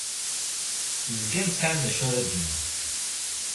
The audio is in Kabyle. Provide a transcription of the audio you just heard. Zgan sɛan acu ara d-inin.